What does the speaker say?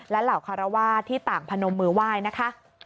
และเหล่าคารวาสที่ต่างพนมมือไหว้นะคะ